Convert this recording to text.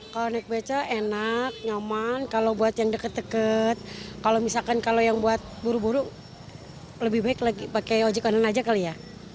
kalau naik beca enak nyaman kalau buat yang deket deket kalau misalkan kalau yang buat buru buru lebih baik lagi pakai ojek online aja kali ya